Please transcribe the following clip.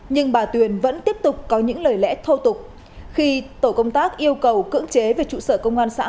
nhưng bà tuyền vẫn tiếp tục có những lời lẽ thô tục khi tổ công tác yêu cầu cưỡng chế về trụ sở công an xã